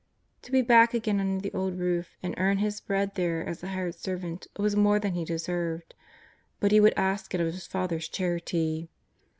To be back again under the old roof and earn his bread there as a hired servant was more than he deserved, but he would ask it of his father's charity.